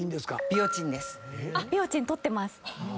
ビオチン取ってます。